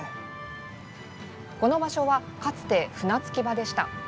この場所はかつて船着き場でした。